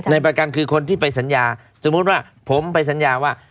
ในประกันคือคนที่ไปสัญญาสมมุติว่าผมไปสัญญาว่า